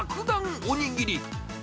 おにぎり。